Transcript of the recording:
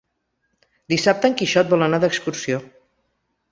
Dissabte en Quixot vol anar d'excursió.